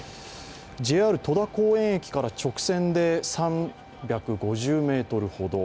ＪＲ戸田公園駅から直線で３５０ｍほど。